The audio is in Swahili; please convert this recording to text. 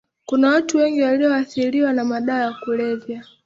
Kuna watu wengi walioathiriwa na madawa ya kulevya